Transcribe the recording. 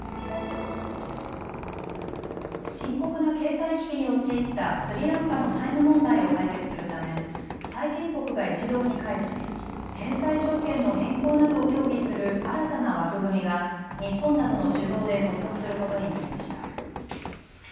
深刻な経済危機に陥ったスリランカの債務問題を解決するため債権国が一堂に会し返済条件の変更などを協議する新たな枠組みが日本などの主導で発足することになりました。